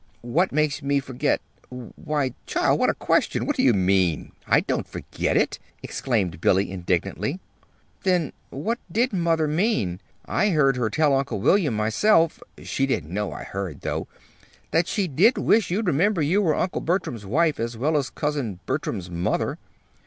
"What makes me forget Why, child, what a question! What do you mean? I don't forget it!" exclaimed Billy, indignantly. "Then what did mother mean? I heard her tell Uncle William myself she didn't know I heard, though that she did wish you'd remember you were Uncle Bertram's wife as well as Cousin Bertram's mother."